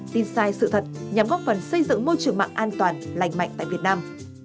tin sai sự thật nhằm góp phần xây dựng môi trường mạng an toàn lành mạnh tại việt nam